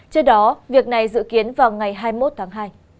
trước đó việc này dự kiến vào ngày hai mươi một tháng hai